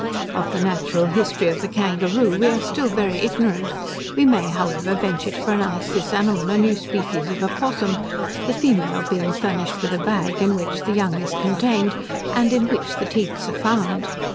Of the natural history of the kangaroo we are still very ignorant. We may, however, venture to pronounce this animal, a new species of opossum, the female being furnished with a bag, in which the young is contained; and in which the teats are found.